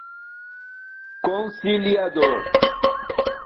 conciliador